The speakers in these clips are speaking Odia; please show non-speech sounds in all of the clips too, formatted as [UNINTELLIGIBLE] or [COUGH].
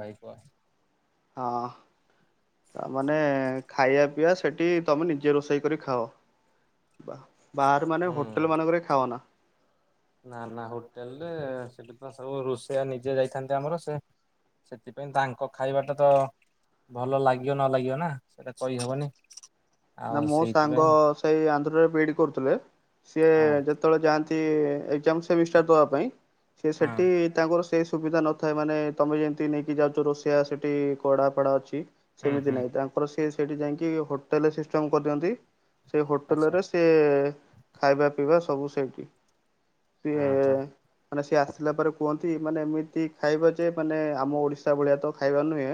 ଭାଇ କୁହ। ହଁ। ତା ମାନେ ଖାଇବା ପିଇବା ସେଠି ତୋମେ ନିଜେ ରୋଷେଇ କରି ଖାଅ। ବାଃ! ବାହାର ମାନେ ହୁଁ ହୋଟେଲ୍ ମାନଙ୍କରେ ଖାଅନା? ନା ନା ହୋଟେଲ୍ ରେ ସେଠି ତ ସବୁ ରୋଷେଇଆ ନିଜେ ଯାଇଥାନ୍ତି ଆମର। ସେ ସେଥିପାଇଁ ତାଙ୍କ ଖାଇବାଟା ତ ଭଲ ଲାଗିବ ନ ଲାଗିବ ନା ସେଟା କହିହବନି। ଆଉ ନା ମୋ ସେଇଥିପାଇଁ ସାଙ୍ଗ ସେଇ ଆନ୍ଧ୍ରରେ ବିଇଡି କରୁଥିଲେ। ସିଏ ହଁ ଯେତେବେଳେ ଯାଆନ୍ତି ଏ ଏକ୍ଜାମ ସେମିଷ୍ଟାର ଦବା ପାଇଁ। ସେ ହଁ ସେଟି ତାଙ୍କର ସେ ସୁବିଧା ନଥାଏ ମାନେ ତୋମେ ଯେମିତି ନେଇକି ଯାଉଚ। ରୋଷେଇଆ ସେଠି କଡ଼ା ଫଡ଼ା ଅଛି। ହୁଁ ସେମିତି ହୁଁ ନାହିଁ। ତାଙ୍କର ସିଏ ସେଠି ଯାଇକି ହୋଟେଲ୍ ସିଷ୍ଟମ୍ କରିଦିଅନ୍ତି। ସେ ହୋଟେଲ୍ ଆଚ୍ଛା ରେ ସେ ଖାଇବା ପିଇବା ସବୁ ସେଇଠି। ସିଏ ଅଁ, ହଁ। ମାନେ ସିଏ ଆସିଲା ପରେ କୁହନ୍ତି ମାନେ ଏମିତି ଖାଇବା ଯେ ମାନେ ଆମ ଓଡିଶା ଭଳିଆ ତ ଖାଇବା ନୁହେଁ।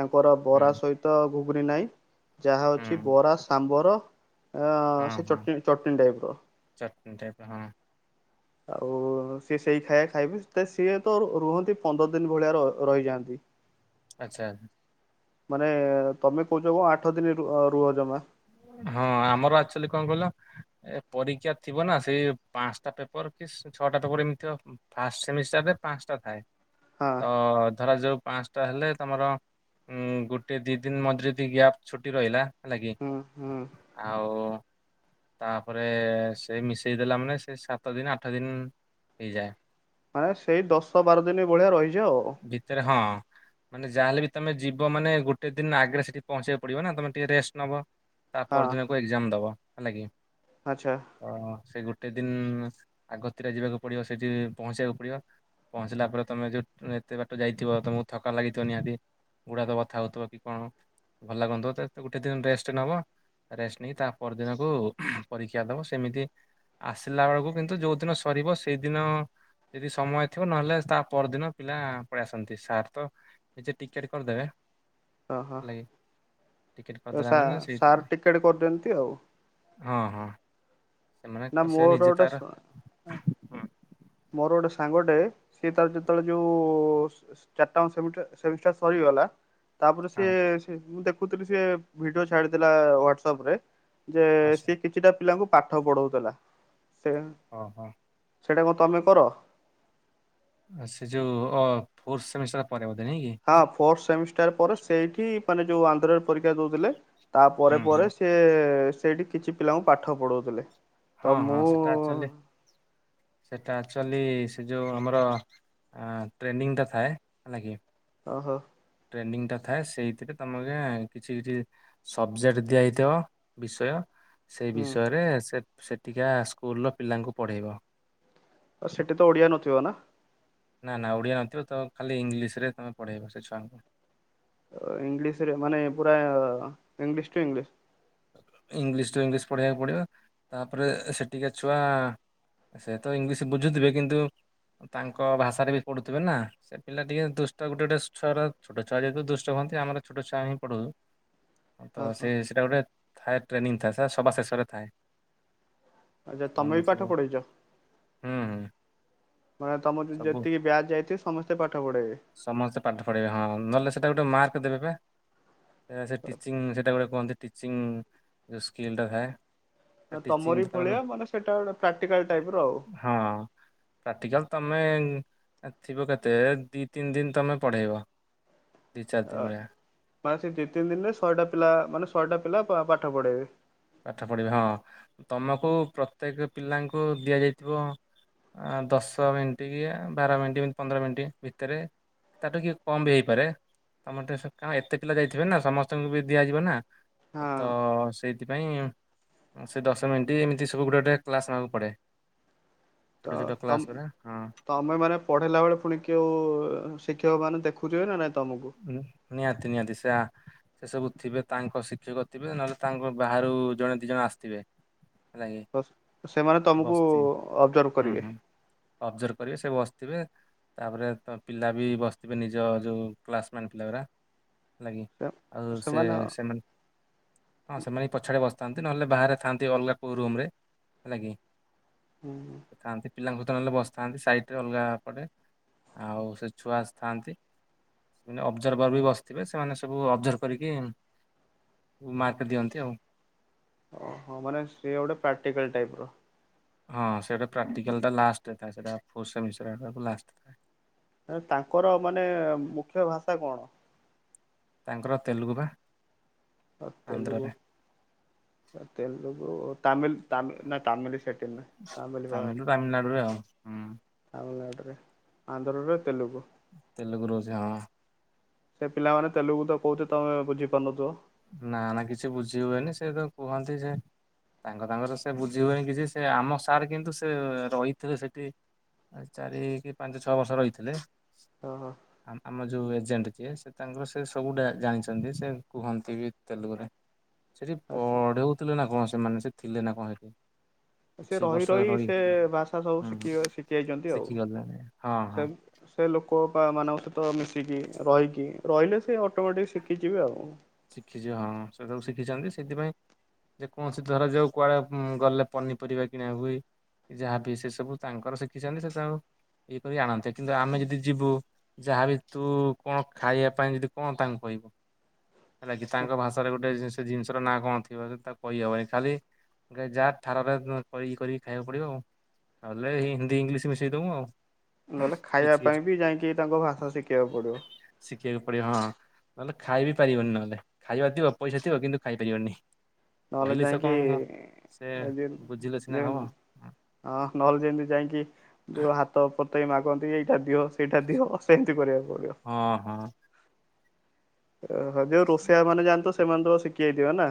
ତାଙ୍କର ହୁଁ ବରା ସହିତ ଗୁଗୁନି ନାଇଁ। ଯାହା ଅଛି ହୁଁ। ବରା ସାମ୍ବର। ଆ, ହଁ ସେ ହଁ ଚଟନି ଚଟଣୀ ଟାଇପ୍ ର। ଚଟଣି ଟାଇପର ହଁ ଆଉ ସିଏ ସେଇ ଖାଇବା ଖାଇବି। ତ ସିଏ ତ ର- ରୁହନ୍ତି ପନ୍ଦର ଦିନ ଭଳିଆ ର-ରହିଯାଆନ୍ତି। ହଁ ଆଚ୍ଛା। ମାନେ ତୋମେ କହୁଚ କଣ ଆଠ ଦିନ ରୁ -ରୁହ ଜମା। ହଁ ଆମର ଆକ୍ଚୁଲି କଣ କହିଲ। ଏ ପରୀକ୍ଷା ଥିବ ନା ସେଇ ପାନ୍ସଟା ପେପର୍ କି ସେ ଛଅ ସେଟା ତ ପୁରି ଇମଥିବ ଉଁ, ଫାଷ୍ଟ ସେମିଷ୍ଟାରରେ ପାନ୍ସଟା ଥାଏ। ହଁ ତ ଧରାଯାଉ ପାନ୍ସ ଟା ହେଲେ ତୋମର ଉଁ, ଗୋଟେ ଦି ଦିନ ମଝିରେ ଦି ଗ୍ୟାପ୍ ଛୁଟି ରହିଲା। ହେଲା କି ହୁଁ ହୁଁ ଆଉ ତାପରେ ସେ ମିଶେଇ ଦେଲା ମାନେ ସେ ସାତ ଦିନ ଆଠ ଦିନ। ପଇ ଯା ମାନେ ସେଇ ଦଶ ବାର ଦିନ ଭଳିିଆ ରହିଯ ଆଉ। ଭିତରେ ହଁ ମାନେ ଯାହାେଲେ ବି ତମେ ଯିବ ମାନେ ଗୋଟେ ଦିନ ଆଗରେ ସେଠି ପହଞ୍ଚେଇକୁ ପଡିବ ନା ତମେ ଟିକେ ରେଷ୍ଟ ନବ। ତା ହଁ ପର ଦିନକୁ ଏକ୍ଜାମ ଦବା ହେଲା କିି ଆଚ୍ଛା ତ ସେ ଗୋଟେ ଗତେ ଦିନ ଆଗତିରେ ଯିବାକୁ ପଡିବ ସେଠି ପହଞ୍ଚିବାକୁ ପଡିବ। ପହଞ୍ଚିଲା ପରେ ତମେ ଯୋଉ ଏତେ ବାଟ ଯାଇଥିବ ତମକୁ ଥକା ଲାଗିଥିବ ନିହାତି ଗୁଡା ତ କଥା ହଉଥିବ କି କଣ ଭଲ ଲାଗନ୍ତ ଗୋଟେ ଦିନ ରେଷ୍ଟ ନବ। ରେଷ୍ଟ ନେଇ ତା ପର ଦିନକୁ ପରୀକ୍ଷା ଦବ ସେମିତି ଆସିଲା ବେଳକୁ କିନ୍ତୁ ଯୋଉ ଦିନ ସରିବ ସେଇଦିନ ଯଦି ସମୟ ଥିବ ନହେଲେ ତା ପରଦିନ ପିଲା ପଳେଇ ଆସନ୍ତି ସାର୍ ତ ନିଜେ ଟିକେଟ କରିଦେବେ ଓ ହୋ। ଟିକେଟ୍ଦଲା ମାନେ ସାର୍ ସେଇଥିରେ ଟିକେଟ୍ କରିଦିଅନ୍ତ ଆଉ। ହଁ ହଁ ସେମାନେ ନା ସେ ମୋରର ନିଜେ ତାର ଗୋଟେ ହଁ ମୋର ଗୋଟେ ସାଙ୍ଗଟେ ସିଏ ତାର ଯେତେବେଳେ ଯୋଉ ଚାରିଟା ସେମିଷ୍ଟର ସରିବ ତାପରେ ହଁ ସେ ମୁଁ ଦେଖୁଥିଲି ସେ ଭିଡିଓ ଛାଡିଥିଲା ହଟସପ ରେ ଯେ ଆଚ୍ଛା ସିଏ କିଛିଟା ପିଲାଙ୍କୁ ପାଠ ପଢଉଥିଲା। ସେ ଓ ହୋ। ସେଇଟା କଣ ତମେ କର? ସେ ଯୋଉ ଫୋର ସେମିଷ୍ଟର ପରେ ନାଇଁ କି ହଁ ଫୋର୍ଥ ସେମିଷ୍ଟାର ପରେ ସେଇଠି ମାନେ ଯୋଉ ଆନ୍ଧ୍ରରେ ପରୀକ୍ଷା ଦଉଥିଲେ ତା ପରେ ହୁଁ ପରେ ହୁଁ ପରେ ସେ ସେଇଠି କିଛି ପିଲାଙ୍କୁ ପାଠ ପଢଉଥିଲେ। ହଁ ତ ହଁ ମୁଁ ସେଟା ଅଛୁଆଲି ସେଟା ଆକ୍ଚୁଆଲି ସେ ଯେଉଁ ଆମର ଟ୍ରେନିଙ୍ଗ ଟା ଥାଏ ହେଲା କିି ଓହୋ। ଟ୍ରେନିଂଟା ଥାଏ ସେଇଥିରେ ତମକୁ କିଛି କିଛି ସବଜେକ୍ଟ ଦିଆ ହେଇଥିବ ବିଷୟ ସେଇ ହୁଁ ବିଷୟରେ ସେ ସେଠିକା ସ୍କୁଲର ପିଲାଙ୍କୁ ପଢେଇବ। ଆଉ ସେଠି ତ ଓଡିଆ ନଥିବ ନା। ନା ନା ଓଡ଼ିଆ ନଥିବ ତ ଖାଲି ଇଂଲିଶ ରେ ତମେ ପଢ଼େଇବ ସେ ଛୁଆଙ୍କୁ। ଇଂଲିଶ ରେ ମାନେ ପୁରା English to English. English to English ପଢେଇବାକୁ ପଡିବ ତାପରେ ସେଠି କ ଛୁଆ ସେ ତ ଇଂଲିଶ ବୁଝୁଥିବେ କିନ୍ତୁ ତାଙ୍କ ଭାଷାରେ ବି ପଢୁଥିବେ ନା ସେ ପିଲା ଟିକେ ଦୁଷ୍ଟ ଗୋଟେ ଗୋଟେ ଛଆର ଛୋଟ ଛୁଆ ଯେହେତୁ ଦୁଷ୍ଟ ଆମର ଛୋଟ ଛୁଆ ହିଁ ପଢୁ ତ ହଁ ହଁ ସେ ସେଇଟା ଗୋଟେ ଥାଏ ଟ୍ରେନିଂ ଥାଏ ସେ ସବା ଶେଷରେ ଥାଏ। ଆଚ୍ଛା ତମେ ସେମାନେ ବି ପାଠ ସବୁ ପଢେଇଛ ହୁଁ ହୁଁ। ମାନେ ତମ ସବୁ ଯେତିକି ବ୍ୟାଚ୍ ଯାଇଥିବେ ସମସ୍ତେ ପାଠ ପଢେଇବେ। ସମସ୍ତେ ପାଠ ପଢବେ ହଁ ନହଲେ ସେଇଟା ଗୋଟେ ମାର୍କ ଦେବେ ବା ସେ ଟିଚିଂ ସେଇଟା ଗୋଟେ କୁହନ୍ତି। ସିଂ ସ୍ସ୍କିଲ ତା ଥାଏ। ଟିଚିଂ ତମରି ଭଳିଆ ମାନେ ସେଇଟା ଗୋଟେ ପ୍ରାକ୍ଟିକାଲ ଟାଇପ ର ଆଉ। ହଁ ପ୍ରାକ୍ଟିକଲ ତମ ତମେ ଥିବ କେତେ ଦି ତିନି ଦିନ ତମେ ପଢେଇବ। ଅ ମାନେ ସେ ଦି ତିନି ଦିନରେ ଶହେଟା ପିଲା ମାନେ ଶହେଟା ପିଲା ପାଠ ପଢେଇବେ। ପାଠ ପଢିବା ହଁ ତମକୁ ପ୍ରତ୍ୟେକ ପିଲାଙ୍କୁ ଦିଆଯାଇଥିବ ଦଶ ମିନିଟ କି ବାର ମିନିଟ ପନ୍ଦର ମିନିଟ ଭିତରେ ତା ଠୁ କିିକେ କମ ବି ହେଇପାରେ ତମେ ଟିକେ କଣ ଏତେ ପିଲା ଯାଇଥିବେ ନା ସମସ୍ତଙ୍କୁ ବି ଦିଆଯିବ ନା। ହଁ ତ ସେଇ ସେଥିପାଇଁ ସେ ଦଶ ମିନିଟ୍ ଏମିତି ସବୁ ଗୋଟେ ଗୋଟେ କ୍ଲାସ୍ ନେବାକୁ ପଡ଼େ। ଛୋଟ ତ ଛୋଟ ତ କ୍ଲାସ୍ ଗୁରା ହଁ ତମେ ମାନେ ପଢେଇା ବେଳେ ପୁଣି କେଉ ଶିକ୍ଷକ ମାନେ ଦେଖୁ [INAUDIBLE] ହୁଁ ନିହାତି ନିହାତି ସା ସେ ସବୁ ଥିବେ ତାଙ୍କ ଶିକ୍ଷକ ଥିବେ ନହେଲେ ତାଙ୍କ ବାହାରୁ ଜଣେ ଦି ଜଣ ଆସିଥିବେ। ହେଲା କି ତ ସେମାନେ ତମକୁ ବସିଛି ଅବଜର୍ଭ ହୁଁ କରିବେ। ହୁଁ ଅବଜର୍ଭ କରିବେ ସେ ବସିଥିବେ ତାପରେ ପିଲା ବି ବସିଥିବେ ନିଜ ଯଉଁ କ୍ଲାସ ମେଣ୍ଟ ପିଲାଗୁରା। ହେଲାଗି ଆଉ ସେ ସେମାନେ ହଁ ସେମାନେ ପଛରେ ବସି ଥାନ୍ତି ନହେଲେ ବାହାରେ ଥାନ୍ତି ଅଲଗା କୋଉ ରୁମ ରେ ହେଲା କି ହୁଁ, ପିଲାଙ୍କୁ ତ ନେଲେ ବସିଥାନ୍ତି ସାଇଟରେ ଅଲଗା ପଟେ ଆଉ ସେ ଛୁଆ ଆସିଥାନ୍ତି। ସେମାନେ ଅବଜର୍ଭର ବି ବସିଥିବେ ସେମାନେ ସବୁ ଅବଜର୍ଭ କରିକି ମାର୍କ ଦିଅନ୍ତି ଆଉ ଓହୋ ମାନେ ସେଏ ଗୋଟେ ପ୍ରାକ୍ଟିକାଲ ଟାଇପ ର ହଁ ସେଇଟା ପ୍ରାକ୍ଟିକାଲା ଟା ଲାଷ୍ଟ ଥାଏ। ସେଟା ଫୋର୍ ସେମିଷ୍ଟର ଆଡୁକୁ ଲାଷ୍ଟ ଥାଏ। ତାଙ୍କର ମାନେ ମୁଖ୍ୟ ଭାଷା କଣ। ତାଙ୍କର ତେଲୁଗୁ ବା। ତେଲୁଗୁ ଆନ୍ଧ୍ରରେ ତେଲୁଗୁ ତାମିଲ ତାମିଲ ନା ତାମିଲ ସେଠ ତାମିଲ୍ ତାମିଲ ବାହାରେ ତାମିଲନାଡୁରେ ଆଉ ହୁଁ ତାମିଲନାଡୁ। ଆନ୍ଧ୍ରରେ ତେଲୁଗୁ, ତେଲୁଗୁରୁ ସେ ହଁ, ସେ ପିଲାମାନେ ତେଲୁଗୁ ତ କହୁ ଥିବେ ତମେ ବୁଝି ପାରୁନଥବ। ନା ନା କିଛି ବୁଝି ହୁଏନି ସେ ତ କୁହନ୍ତି ସେ। ତାଙ୍କ ତାଙ୍କର ସେ ବୁଝି ହୁଏନି କି ଯେ ସେ ଆମ ସାର୍ କିନ୍ତୁ ସେ ରହିିଥିବେ ସେଠି। ଚାରି କି ପାଞ୍ଚ ଛଅ ବର୍ଷ ରହିଥିଲେ। ଓହୋ, ଆମ ଯୋଉ ଏଜେଣ୍ଟ ଯିଏ ସେ ତାଙ୍କର ସେ ସବୁ ଡା ଜାଣିଛନ୍ତି ସେ କୁହନ୍ତି ବି ତେଲୁଗୁ ରେ। ସେଠି ଆ ପଅଢଉଥିଲେ ନା କଣ ସେମାନେ ସେ ଥିଲେ ନା କଣ ହେଠି। ସେ ରହି ରହି ସେ ଭାଷା ସବୁ ହୁଁ ଶିଖି ଶିଖିଯାଇଛନ୍ତି ଆଉ ଶିଖିଗଲେଣି ହଁ ହଁ ସେ ସେ ଲୋକ ପା ମାନଙ୍କ ସହିତ ମିଶିକି ରହିକି ରହିଲେ ସେ ଅଟୋମେଟିକ ଶିଖିଯିବେ ଆଉ। ଶିଖିଯିବେ ହଁ ସେଟାକୁ ଶିଖିଛନ୍ତି ସେଥିପାଇଁ। ଯେ କୌଣସି ଧରଯାଉ କୁଆଡେ ଗଲେ ପନିପରିବା କିଣା ହୁଏ। ଯାହାବି ସେ ସବୁ ତାଙ୍କର ଶିଖିଛନ୍ତି ସେସବୁ, ଇଏ କରି ଆଣନ୍ତେ କିନ୍ତୁ ଆମେ ଯଦି ଯିବୁ ଯାହାବି ତୁ କଣ ଖାଇବା ପାଇଁ ଯଦି କଣ ତାଙ୍କୁ କହିବୁ। [INAUDIBLE] ହେଲା କିି ତାଙ୍କ ଭାଷାରେ ଗୋଟେ ସେ ଜିନିଷର ନାଁ କଣ ଥିବ ସେ ତାକୁ କହିହବନି ଖାଲି ଯାହା ଠାରରେ ଏ ଇଏ କରିକି ଖାଇବାକୁ ପଡିବ ଆଉ ନହେଲେ ହିନ୍ଦୀ ଇଂଲିଶ ମିଶେଇଦମୁ ଆଉ ନହେଲେ ଖାଇବା କିଛି କିଛି ପାଇଁ ବି ଯାଇକି ତାଙ୍କ ଭାଷା ଶିଖିବାକୁ ପଡିବ। ଶିଖିବାକୁ ପଡିବ ହଁ ନହେଲେ ଖାଇବି ପାରିବନି ନହେଲେ ଖାଇବା ଥିବ ପଇସା ଥିବ କିନ୍ତୁ ଖାଇପାରିବନି। ନହେଲେ କହିଲେ ସେ ଯାଇକି କଣ ସେ ଏ ଜେମ୍ ବୁଝିଲେ ସିନା ଜେମ୍ ହବ ହଁ ନହେଲେ ଯେମତି ଯାଇକି ଯୋଉ ହାତ ପତ୍ ମୋତେ ମା କହନ୍ତି ଏଇଟା ଦିଅ ସେଇଟା ଦିଅ ସେମତି କରିବାକୁ। ପଡିବ। ହଁ ହଁ, ଓହୋ ଯୋଉ ରୋଷେୟା ମାନେ ଯାଆନ୍ତି ତ ସେମାନେ ତ ଶିଖି ଯାଇଥିବେ ନା?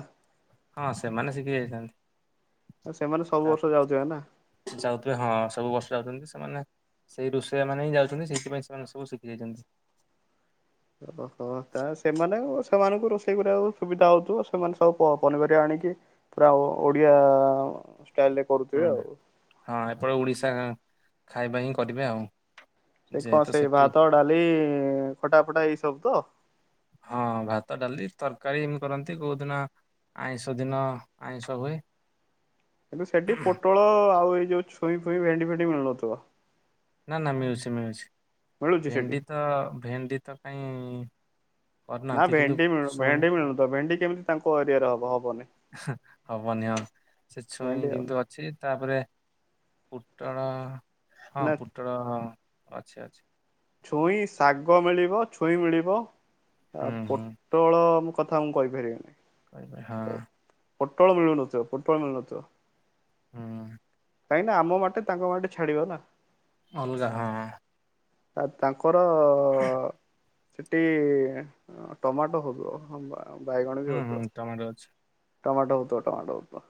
ହଁ ସେମାନେ ଶିଖି ଯାଇଥାନ୍ତି। ସେମାନେ ସବୁ ବର୍ଷ ଯାଉଥିବେ ନା। [INAUDIBLE] ଯାଉଥିବେ ହଁ ସବୁ ବସି ଯାଉଛନ୍ତି। ମାନେ ସେଇ ରୋଷେଇଆ ମାନେ ହିଁ ଯାଉଛନ୍ତି ସେଇଥିପାଇଁ ସେମାନେ ସବୁ ଶିଖି ଯାଇଛନ୍ତି। ଓହୋ ତା ଏ ସେମାନେ ସେମାନଙ୍କୁ ରୋଷେଇ କରିବାକୁ ସୁବିଧା ହୋଉଥିବ ସେମାନେ ସବୁ ପ ପନିପରିବା ଆଣିକି ପୁରା ଓଡ଼ିଆ ଷ୍ଟାଇଲରେ କରୁଥିବେ ହୁଁ ଆଉ। ହଁ ଏପଟେ ଓଡିଶା ଖାଇବା ହିଁ କରିବେ ଆଉ। ସେ କଣ ଯେହେତୁ ସେଇ ସେଠି ଭାତ ଡାଲି ଖଟା ଫଟା ଏଇ ସବୁ ତ? ହଁ ଭାତ ଡାଲି ତରକାରୀ ଏମତି କରନ୍ତି କୋଉଦିିନ ଆଇଁଷ ଦିନ ଆଇଁଷ ହୁଏ। କିନ୍ତୁ ସେଠି ପୋଟଳ ଆଉ ଏଇ ଯୋଉ ଛୁଇଁ ଫୁଇଁ ଭେଣ୍ଡି ଫେଣ୍ଡି ମିଳୁନଥିବ? ନା ନା ମିଳୁଛି ମିଳୁଛି ମିଳୁଛି ସେଠି? ଭେଣ୍ଡି ତ ଭେଣ୍ଡି ତ କାଇଁ ନା କରିନାହାନ୍ତି କିନ୍ତୁ ଭେଣ୍ଡି ମିଳୁ ଛୁଇଁ ଭେଣ୍ଡି ମିଳୁ ନଥିବ ଭେଣ୍ଡି କେମିତି ତାଙ୍କ ଏରିଆରେ ହବ। ହବନି ହେଁ ହବନିି ହଁ ସେ ଛୁଇଁ ଭେଣ୍ଡି ହବନି। କିନ୍ତୁ ଅଛି ତାପରେ ପୁଟଳ ହଁ ନା ପୁଟଳ ଅଛି ଅଛି। ଛୁଇଁ ଶାଗ ମିଳିବ ଛୁଇଁ ମିଳିବ ହୁଁ ଆ ହୁଁ ପୋଟଳ ମୁଁ କଥା ମୁଁ କହିପାରିବିନି। [UNINTELLIGIBLE] ହଁ। ପୋଟଳ ମିଳୁନଥିବ ପୋଟଳ ମିଳୁନଥିବ। ହୁଁ। କାହିଁକି ନା ଆମ ମାଟି ତାଙ୍କ ମାଟି ଛାଡିବ ନା। ଅଲଗା ହଁ। ଆ ତାଙ୍କର [INAUDIBLE] ସେଠି ଟମାଟୋ ହଉଥିବ। [UNINTELLIGIBLE] ବି ହୁଁ ହୁଁ ହଉଥିବ। ଟମାଟୋ ଅଛି। ଟମାଟୋ ହୋଉଥିବ ଟମାଟୋ ହୋଉଥିବ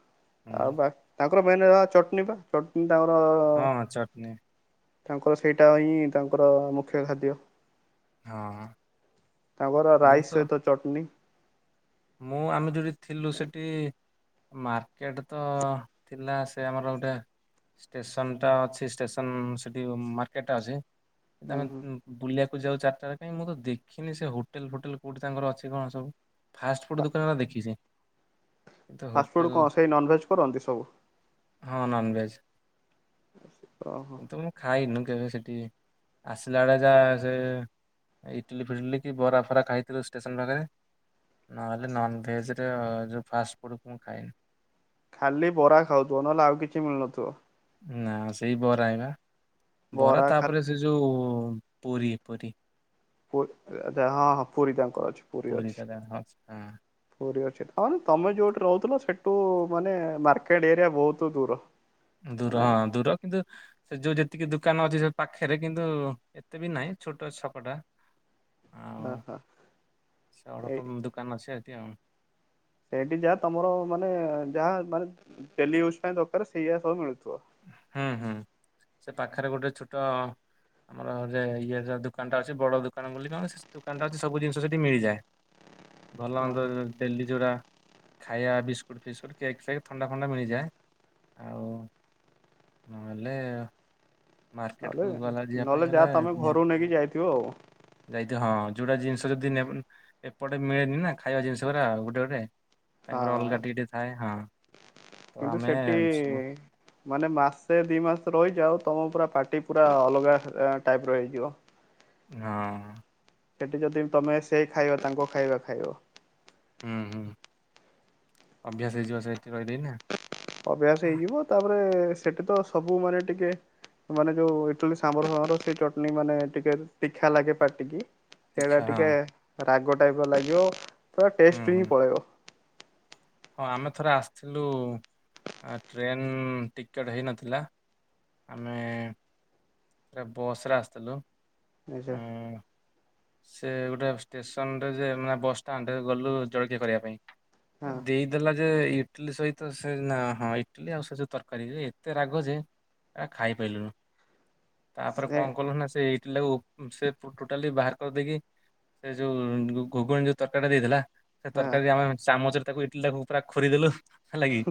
ହୁଁ ଆଉ ବା ତାଙ୍କର ମେନ ହେଲା ଚଟନି ପା ଚଟନି ତାଙ୍କର ହଁ ଚଟନି। ତାଙ୍କର ସେଇଟା ହିଁ ତାଙ୍କର ମୁଖ୍ୟ ଖାଦ୍ୟ। ହଁ ତାଙ୍କର ମୁଁ ରାଇସ୍ ତ ସହିତ ଚଟନି। ମୁଁ ଆମେ ଯୋଉଠି ଥିଲୁ ସେଠି ମାର୍କେଟ ତ ଥିଲା ସେ ଆମର ଗୋଟେ ଷ୍ଟେସନ ଟା ଅଛି ଷ୍ଟେସନ ସେଠି ମାର୍କେଟ ଟା ଅଛି ସେ ହୁଁ ଆମେ ହୁଁ ବୁଲିବାକୁ ଯାଉ ଚାରିଟା ବେଳେ କାଇଁ ମୁଁ ତ ଦେଖିନି ସେ ହୋଟେଲ ଫୋଟେଲ କଉଠି ତାଙ୍କର ଅଛି କଣ ସବୁ। ଫାଷ୍ଟଫୁଡ ଦୋକାନ ଗୁଡା ଦେଖିଚି। କିନ୍ତୁ ଫାଷ୍ଟଫୁଡ଼୍ ହୋଟେଲ, କଣ ସେଇ ନନଭେଜ୍ କରନ୍ତି ସବୁ? ହଁ ନନ୍ଭେଜ୍। ଓହୋ କିନ୍ତୁ ମୁଁ ଖାଇନି କେବେ ସେଠି। ଆସିଲା ବେଳେ ଯାହା ସେ ଇଟିଲି ଫିଟିଲ କି ବରା ଫରା ଖାଇଥିଲୁ ଷ୍ଟେସନ ପାଖରେ। ନହେଲେ ନନଭେଜରେ ଯୋଉ ଫାଷ୍ଟ ଫୁଡ଼ ମୁଁ ଖାଇନି। ଖାଲି ବରା ଖାଉଥିବ ନହେଲେ ଆଉ କିଛି ମିଳୁନଥିବ। ନା ସେଇ ବରା ହେଇବା ବରା ତାପରେ ସେ ଯୋଉ ପୁରି ପୁରି। ପୁରୀ ହଁ ହଁ ତାଙ୍କର ଅଛି। ପୁରି ପୁରୀ ଅଛି ଟା ହଁ। ପୁରି ଅଛି। [UNINTELLIGIBLE] ତମେ ଯୋଉଠି ରହୁଥିଲ ସେଇଠୁ ମାନେ ମାର୍କେଟ ଏରିଆ ବହୁତ ଦୂର। ଦୂର ମାନେ ହଁ ଦୂର କିନ୍ତୁ ସେ ଯୋଉ ଯେତିକି ଦୋକାନ ଅଛି ସେ ପାଖରେ କିନ୍ତୁ ଏତେ ବି ନାହିଁ ଛୋଟ ଛକଟା। [INAUDIBLE] ଆଉ ହଁ ସେ ଏଇ ଅଳପ ଦୋକାନ ଅଛି ଏଠି ଆଉ। ସେଇଠି ଯାହା ତମର ମାନେ ଯାହା ମାନେ ଟେଲି ୟୁଜ ପାଇଁ ଦରକାର ସେଇୟା ସବୁ ମିଳୁଛି। ହୁଁ ହୁଁ ସେ ପାଖରେ ଗୋଟେ ଛୋଟ ଆମର ଯେ ଇଏ ଯ ଦୋକାନ ଟା ଅଛି ବଡ ଦୋକାନ ବୋଲି କଣ ସେ ଦୋକାନଟା ଅଛି ସବୁ ଜିନିଷ ସେଠି ମିଳିଯାଏ। [INAUDIBLE] ଭଲ ମନ୍ଦ ହଁ ଡେଲି ଯୋଉରା ଖାଇବା ବିସ୍କୁଟ ଫିସ୍କୁଟ କେକ୍ ଫେକ୍ ଥଣ୍ଡା ଫଣ୍ଡା ମିଳିଯାଏ ଆଉ ନହେଲେ ମାର୍କେଟ ନହେଲେ କୁ ଗଲା ଯିବା ପାଇଁ ନହେଲେ ଯାହା ହେଲେ ତମେ ନିହା ଘରୁ ନେଇକି ଯାଇଥିବ ଆଉ ଯାଇତେ ହଁ ଯୋଉଁଟା ଜିନିଷ ଯଦି ଏପଟେ ମିଳେନି ନା ଖାଇବା ଜିନିଷ ଗୁରା ଗୋଟେ ଗୋଟେ ତାଙ୍କର ହଁ। ଅଲଗାଟିକେ ଟିକେ ଥାଏ। ହଁ ତ କିନ୍ତୁ ଆମେ ସେଠି ସବୁ ମାନେ ମାସେ ଦି ମାସ ରହିଯାଓ ତମ ପୁରା ପାଟି ପୁରା ଅଲଗା ଟାଇପ ର ହେଇଯିବ। ହଁ। ସେଠି ଯଦି ତମେ ସେ ଖାଇବା ତାଙ୍କ ଖାଇବା ଖାଇବ। [UNINTELLIGIBLE] ଅଭ୍ୟାସ ହେଇଯିବ ତାପରେ ସେଠି ତ ସବୁ ମାନେ ଟିକେ ମାନେ ଯୋଉ ଇଟଲୀ ସାବର ଫର ସେଇ ଚଟଣିୀ ମାନେ ଟିକେ ତୀଖା ଲାଗେ ପାଟିକି ସେଇଟା ଦୀକ୍ଷା ହଁ ଟିକେ ରାଗ ଟାଇପ ଲାଗିବ ତା ହୁଁ ଟେଷ୍ଟ ହୁଁ ହିଁ ପଳେଇବ। ହଁ ଆମେ ଥରେ ଆସିଥିଲୁ ଟ୍ରେନ ଟିକେଟ ହେଇନଥିଲା ଆମେ ବସ ରେ ଆସିଥିଲୁ ଆଚ୍ଛା। ଉଁ ସେ ଗୋଟେ ଷ୍ଟେସନରେ ଯେ ମାନେ ବସ୍ ଷ୍ଟାଣ୍ଡରେ ଗଲୁ ଜଳକିଆ କରିବା ପାଇଁ ହଁ ଦେଇ ଦେେଲା ଯେ ଇଟିଲି ସହିତ ସେ ହଁ ଇଟିଲି ଆଉ ସେ ଯୋଉ ତରକାରୀ ଏତେ ରାଗ ଯେ ଆ ଖାଇପାରିଲୁନୁ। ତାପରେ ସେ କଣ କଲୁ ନା ସେ ଏଇଟ ଲ ସେ ଟୋଟାଲି ବାହାର ଦେଇକି ସେ ଯୋଉ ଘୁଗୁଣ ଯୋଉ ତରକାରୀ ଟା ଦେଇଥିଲା ସେ ହଁ ତରକାରୀ ଆମେ ଚ ତାକୁ ଇଟିଲିଟାକୁ ପୁରା ଖୋରିଦ ଦେଲୁ ହେ ଲାଗି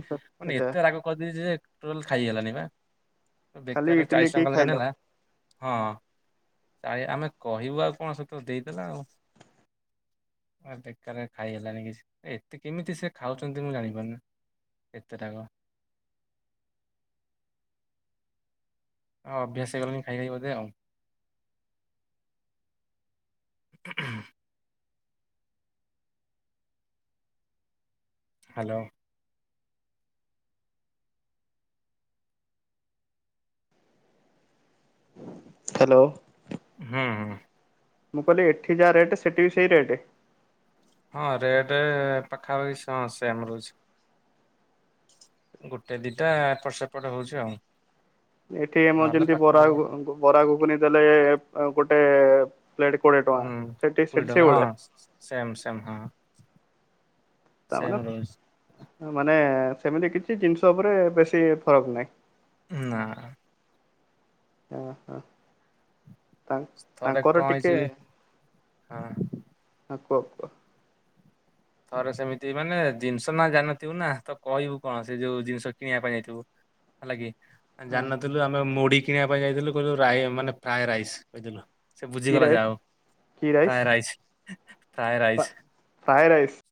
ମାନେ ଆଚ୍ଛା ଏତେ ରାଗ କରିଦେଛି ଯେ ଟଲ ଖାଇଗଲାନି ବା। ଖାଲି ବେକାରରେ ଇଟିଲି ଚାଳିଶ କି ଟଙ୍କା ଲେଖା ଖାଇଲ ନେଲା ହଁଳି ଆମେ କହିବା ଆଉ କଣ ସତ ଦେଇଦେଲା ଆଉ। ଆ ବେ ଖାଇ ହେଲଣିି କିଛି ଏତେ କେମିତି ସେ ଖାଉଛନ୍ତି ମୁଁ ଜାଣିପାରୁନି। [UNINTELLIGIBLE] [UNINTELLIGIBLE] ଅଭ୍ୟାସ ହେଇଗଲେଣିି ଖାଇ ଖାଇ ବୋଧେ ଆଉ। [INAUDIBLE] ହ୍ୟାଲୋ। ହ୍ୟାଲୋ। ହୁଁ। ମୁଁ କହିଲି ଏଠି ଯାହା ରେଟ୍ ସେଠି ବି ସେଇ ରେଟ୍? ହଁ ରେଟ ପାଖାପାଖି ହଁ ସେମ ରହୁଛି। ଗୋଟେ ଦିଟା ଏପଟ ସେପଟ ହଉଛି ଆଉ। ଏଠି ଆମର ନହେଲେ ଯେମିତି ବରା ପାଖାପାଖି ବ ବରା ଘୁକୁନି ଦେଲେ। ଗୋଟେ ପ୍ଲେଟ କୋଡ଼ିଏ ଟଙ୍କା ହୁଁ ସେଠି କୋଡିଏ ସେଠି ଟଙ୍କା ସେଇଭଳିଆ ହଁ ସେମ ସେମ ହଁ। ତାମାନେ ସେମ ମାନେ ରହୁ ମାନେ ସେମିତି କିଛି ଜିନିଷ ଉପରେ ବେଶୀ ଫରକ ନାହିଁ। ନା। ଅ ହ। ଥରେ କଣ ହେଇଛି ବି- ହଁ [UNINTELLIGIBLE] ଥରେ ସେମିତି ମାନେ ଜିନିଷ ନା ଜାଣନଥିବୁ ନା ତ କହିବୁ କଣ, ସେ ଯୋଉ ଜିନିଷ କିଣିବା ପାଇଁ ଯାଇଥିବୁ ହେଲାକି। ହଁ ଜାଣିିନଥିଲୁ, ଆମେ ମୁଢି କିଣିବା ପାଇଁ ଯାଇଥିଲୁ କଦିଲୁ ମାନେ ରା ଫ୍ରାଏ ରାଇସ୍ କହିଦେଲୁ। ସେ କି ବୁଝିଗଲା ଯାହା ରାଇସ୍ ଆଉ କି rice fry rice fry rice. Fry rice.